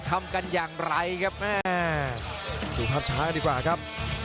ดูสายตากับแกครับเยี่ยมจริงครับ